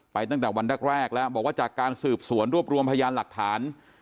ตั้งแต่วันแรกแล้วบอกว่าจากการสืบสวนรวบรวมพยานหลักฐาน